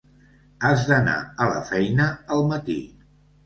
Has d'anar a la feina al matí.